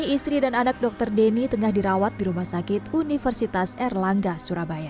istri dan anak dokter deni tengah dirawat di rumah sakit universitas erlangga surabaya